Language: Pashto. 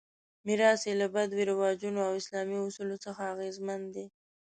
میراث یې له بدوي رواجونو او اسلامي اصولو څخه اغېزمن دی.